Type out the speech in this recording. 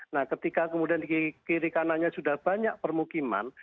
nah ketika kemudian di kiri kanannya sudah banyak permukiman